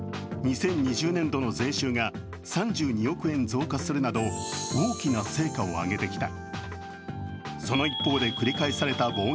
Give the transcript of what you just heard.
２０２０年度の税収が３２億円増加するなど大きな成果を上げてきた。